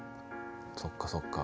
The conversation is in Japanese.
そっかそっか。